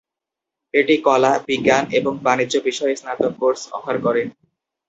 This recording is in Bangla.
এটি কলা, বিজ্ঞান এবং বাণিজ্য বিষয়ে স্নাতক কোর্স অফার করে।